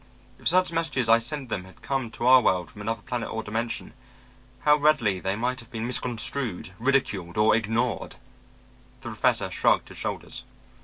If such messages I sent them had come to our world from another planet or dimension, how readily they might have been misconstrued, ridiculed or ignored.' The Professor shrugged his shoulders.